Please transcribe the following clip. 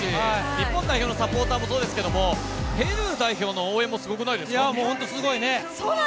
日本代表のサポーターもそうですけどペルー代表の応援も本当にすごいね。